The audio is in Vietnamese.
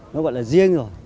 nó gọi là riêng rồi